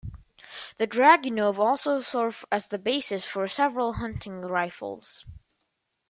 The Dragunov also served as the basis for several hunting rifles.